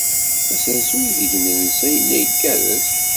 Asensu aydeg nensa yella igerrez.